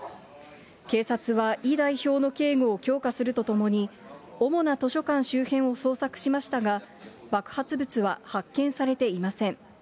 警察は、イ代表の警護を強化するとともに、主な図書館周辺を捜索しましたが、爆発物は発見されていません。